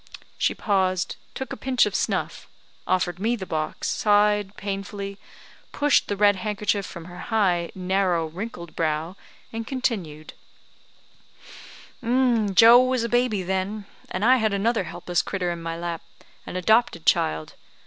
She paused, took a pinch of snuff, offered me the box, sighed painfully, pushed the red handkerchief from her high, narrow, wrinkled brow, and continued: "Joe was a baby then, and I had another helpless critter in my lap an adopted child.